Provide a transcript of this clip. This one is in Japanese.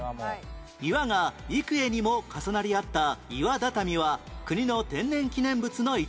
岩が幾重にも重なり合った岩畳は国の天然記念物の一部